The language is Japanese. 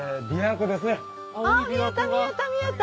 あ見えた見えた見えた。